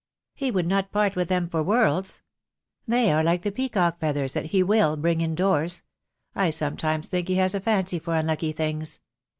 "He would not part with them for worlds. They are like the peacock's feathers that he will bring indoors. I sometimes think he has a fancy for unlucky things.